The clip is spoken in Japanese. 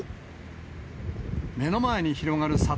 目の前に広がるさ